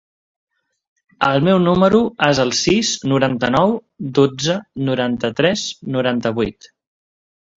El meu número es el sis, noranta-nou, dotze, noranta-tres, noranta-vuit.